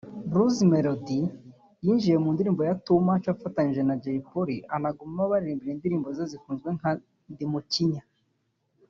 Bruce Melody yinjiriye mu ndirimbo Too much afatanije na Jay Polly anagumaho abaririmbira indirimbo ze zikunzwe nka Ndimukinya